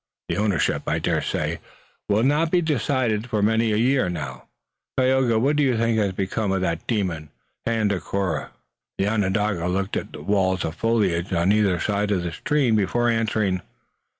The ownership, I dare say, will not be decided for many a year. Now, Tayoga, what do you think has become of that demon, Tandakora?" The Onondaga looked at the walls of foliage on either side of the stream before answering.